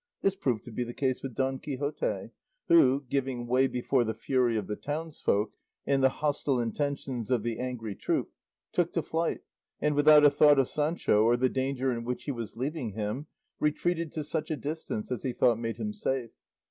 This proved to be the case with Don Quixote, who, giving way before the fury of the townsfolk and the hostile intentions of the angry troop, took to flight and, without a thought of Sancho or the danger in which he was leaving him, retreated to such a distance as he thought made him safe.